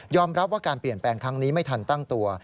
รับว่าการเปลี่ยนแปลงครั้งนี้ไม่ทันตั้งตัว